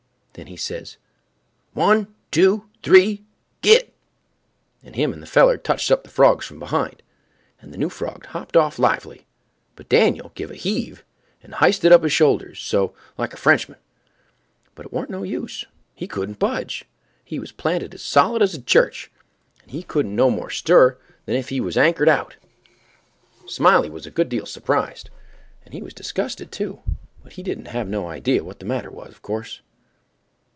Then he says, "One—two—three—git!" and him and the feller touched up the frogs from behind, and the new frog hopped off lively, but Dan'l give a heave, and hysted up his shoulders—so—like a Frenchman, but it warn't no use—he couldn't budge; he was planted as solid as a church, and he couldn't no more stir than if he was anchored out. Smiley was a good deal surprised, and he was disgusted too, but he didn't have no idea what the matter was, of course.